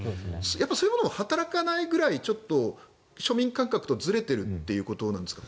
そういうものが働かないぐらい庶民感覚とずれているということですか？